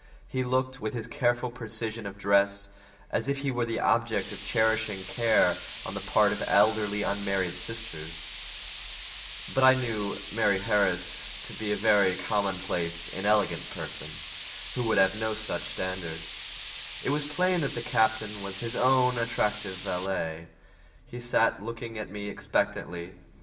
He looked, with his careful precision of dress, as if he were the object of cherishing care on the part of elderly unmarried sisters, but I knew Mari' Harris to be a very common place, inelegant person, who would have no such standards; it was plain that the captain was his own attentive valet. He sat looking at me expectantly.